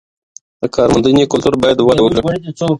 د کارموندنې کلتور باید وده وکړي.